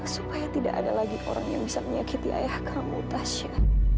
supaya tidak ada lagi orang yang bisa menyakiti ayah kamu tasha